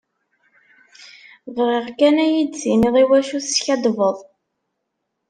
Bɣiɣ kan ad yi-d-tiniḍ iwacu teskaddbeḍ.